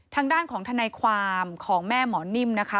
ทางด้านของทนายความของแม่หมอนิ่มนะคะ